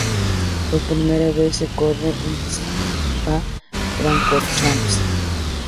Por primera vez se corre en Spa-Francorchamps.